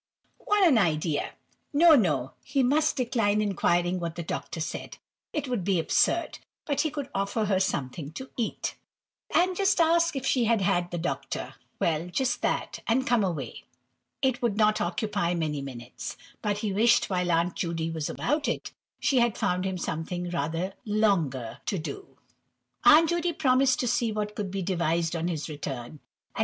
What an idea! No, no; he must decline inquiring what the Doctor said; it would be absurd; but he could offer her something to eat. —And just ask if she had had the Doctor.—Well, just that, and come away. It would not occupy many minutes. But he wished, while Aunt Judy was about it, she had found him something rather longer to do! Aunt Judy promised to see what could be devised on his return, and No.